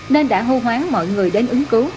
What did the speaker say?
nên đã hô hoán mọi người đến ứng cứu